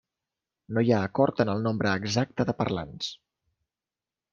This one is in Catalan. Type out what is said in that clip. No hi ha acord en el nombre exacte de parlants.